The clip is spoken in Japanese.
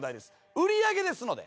売り上げですので。